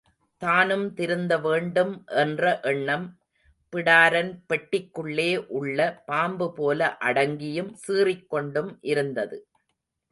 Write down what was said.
தானும் திருந்த வேண்டும் என்ற எண்ணம் பிடாரன் பெட்டிக்குள்ளே உள்ள பாம்புபோல அடங்கியும் சீறிக் கொண்டும் இருந்தது.